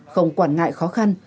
không quản ngại khó khăn